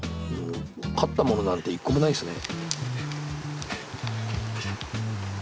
買ったものなんて一個もないですね。